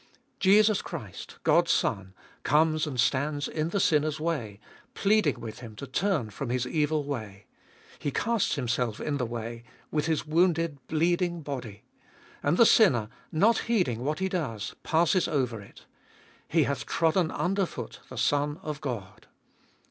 Jesus Christ, God's Son, comes and stands in the sinner's way, pleading with him to turn from his evil way. He casts Himself in the way, with His wounded, bleeding body. And the sinner, not heeding what he does, passes over it : he hath trodden under foot the Son of God